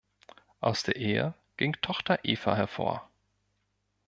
Aus der Ehe ging Tochter Eva hervor.